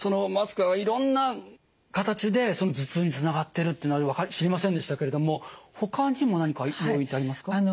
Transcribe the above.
マスクはいろんな形で頭痛につながってるって知りませんでしたけれどもほかにも何か要因ってありますか？